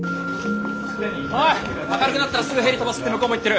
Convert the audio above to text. おい明るくなったらすぐヘリ飛ばすって向こうも言ってる。